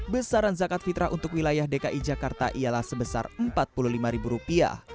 besaran zakat fitrah untuk wilayah dki jakarta ialah sebesar rp empat puluh lima